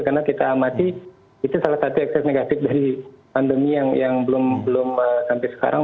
karena kita masih itu salah satu ekses negatif dari pandemi yang belum sampai sekarang